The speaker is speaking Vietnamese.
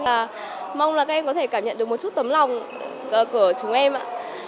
và mong là các em có thể cảm nhận được một chút tấm lòng của chúng em ạ